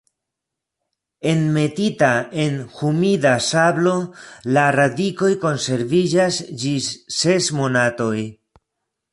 Enmetita en humida sablo la radikoj konserviĝas ĝis ses monatoj.